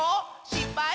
しっぱい？